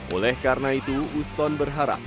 oleh karena itu uston berharap